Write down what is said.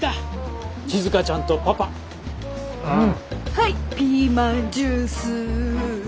はいピーマンジュース。